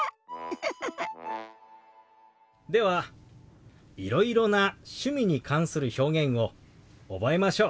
ではいろいろな趣味に関する表現を覚えましょう。